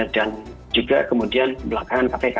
dan juga kemudian belakangan kpk